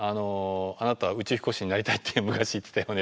「あなた宇宙飛行士になりたいって昔言ってたよね」